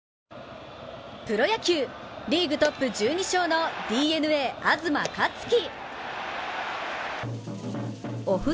プロ野球、リーグトップ１２勝のＤｅＮＡ・東克樹。